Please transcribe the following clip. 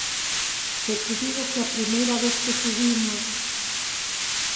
Se che digo que a primeira vez que subimos...